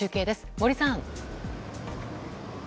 森さん。